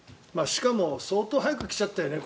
しかも相当早く来ちゃったよね